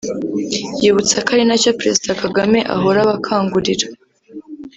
yibutsa ko ari na cyo Perezida Kagame ahora abakangurira